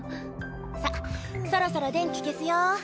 さっそろそろ電気消すよ。